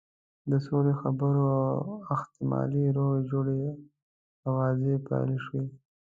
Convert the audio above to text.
د سولې د خبرو او احتمالي روغې جوړې آوازې پیل شوې.